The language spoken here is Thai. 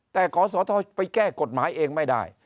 แต่ขอสทไปแก้กฎหมายเองไม่ได้